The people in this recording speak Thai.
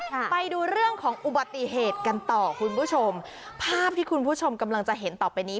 ไปดูเรื่องของอุบัติเหตุกันต่อคุณผู้ชมภาพที่คุณผู้ชมกำลังจะเห็นต่อไปนี้